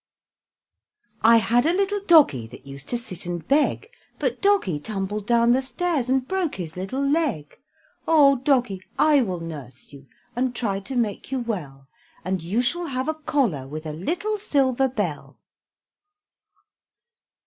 I had a little doggy that used to sit and beg; But Doggy tumbled down the stairs and broke his little leg. Oh! Doggy, I will nurse you, and try to make you well, And you shall have a collar with a little silver bell.